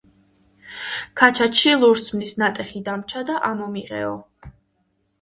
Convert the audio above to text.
ქაჩაჩში ლურსმნის ნატეხი დამრჩა და ამომიღეო!